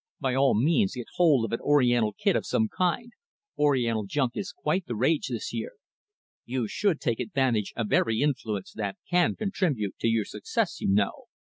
By all means, get hold of an oriental kid of some kind oriental junk is quite the rage this year. You should take advantage of every influence that can contribute to your success, you know.